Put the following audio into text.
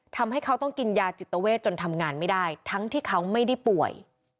ทำให้เขาต้องกินยาจิตเวทจนทำงานไม่ได้ทั้งที่เขาไม่ได้ป่วย